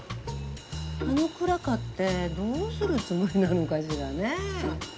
あの蔵買ってどうするつもりなのかしらねぇ。